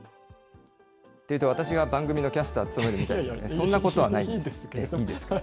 というと、私が番組のキャスターを務めるみたいですけれども、そんなことはないです。